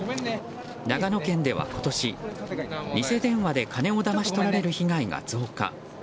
長野県では今年、偽電話で金をだまし取られる被害が増加。